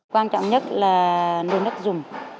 quan trọng nhất là nồi nước dùng